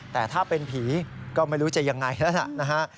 แต่ถ้าเป็นผีก็ไม่รู้จะยังไงแล้วล่ะนะฮะ